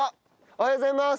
おはようございます。